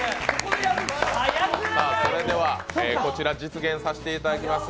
こちら、実現させていただきます。